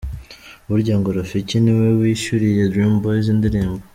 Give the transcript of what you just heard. Burya ngo Rafiki ni we wishyuriye Dream Boys indirimbo.